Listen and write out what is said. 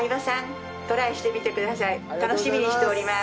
楽しみにしております。